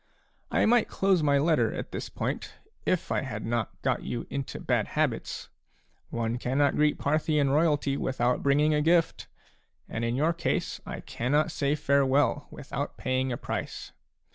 I might close my letter at this point, if I had not got you into bad habits. One cannot greet Parthian royalty without bringing a gift ; and in your case I cannot say farewell without paying a price.